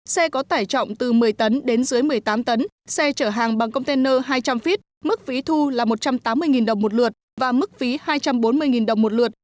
xe có tải trọng từ một mươi tấn đến dưới một mươi tám tấn xe trở hàng bằng container hai trăm linh feet mức phí thu là một trăm tám mươi đồng một lượt và mức phí hai trăm bốn mươi đồng một lượt